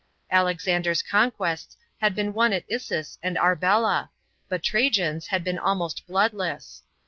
Alexander's conquests had been won at Issus and Arbela, but T aj in's had been almost bloodless.